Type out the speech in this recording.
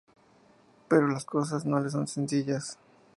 Pero las cosas no le son sencillas.